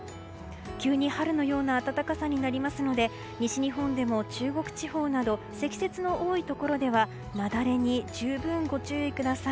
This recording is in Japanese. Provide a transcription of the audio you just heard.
急に春のような暖かさになりますので西日本でも中国地方など積雪の多いところでは雪崩にご注意ください。